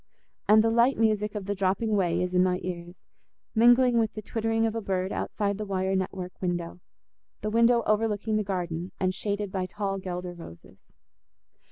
And the light music of the dropping whey is in my ears, mingling with the twittering of a bird outside the wire network window—the window overlooking the garden, and shaded by tall Guelder roses.